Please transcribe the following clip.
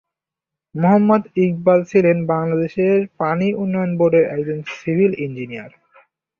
মোহাম্মদ ইকবাল ছিলেন বাংলাদেশের পানি উন্নয়ন বোর্ডের একজন সিভিল ইঞ্জিনিয়ার।